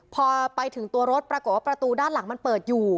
พอไปถึงตัวรถปรากฏว่าประตูด้านหลังมันเปิดอยู่